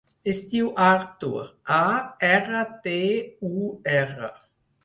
Es diu Artur: a, erra, te, u, erra.